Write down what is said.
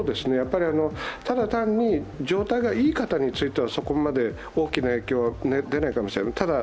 ただ単に状態がいい方についてはそこまで大きな影響は出ないかもしれない。